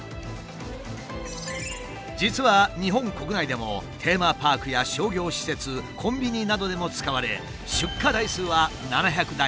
実は日本国内でもテーマパークや商業施設コンビニなどでも使われ出荷台数は７００台を超える。